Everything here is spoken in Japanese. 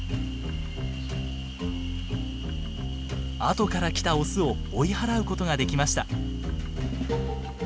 後から来たオスを追い払うことができました。